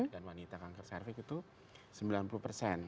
dan wanita kanker cervix itu sembilan puluh persen